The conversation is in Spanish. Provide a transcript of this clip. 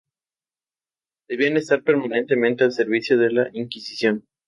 Debían estar permanentemente al servicio de la Inquisición.